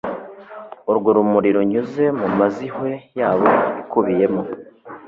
Urwo rumuri runyuze mu mazi hue yabo ikubiyemo